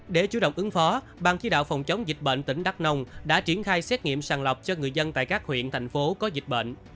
để chủ động ứng phó ban chỉ đạo phòng chống dịch bệnh tỉnh đắk nông đã triển khai xét nghiệm sàng lọc cho người dân tại các huyện thành phố có dịch bệnh